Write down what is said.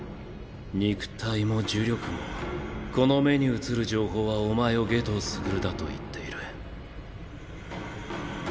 肉体も呪力もこの六眼に映る情報はお前を夏油傑だと言っている。